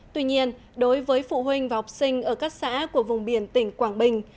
tuy nhiên đối với phụ huynh và học sinh ở các xã của vùng biển tỉnh quảng bình